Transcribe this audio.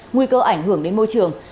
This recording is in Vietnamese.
nguy cơ ảnh hưởng đến môi trường